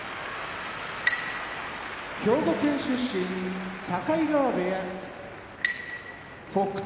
兵庫県出身境川部屋北勝